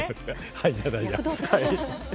はい、じゃないや。